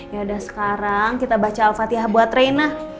yaudah sekarang kita baca al fatihah buat reina